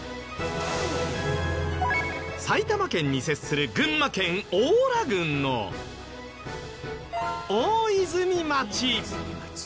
埼玉県に接する群馬県邑楽郡の大泉町。